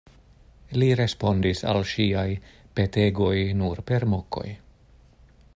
Li respondis al ŝiaj petegoj nur per mokoj.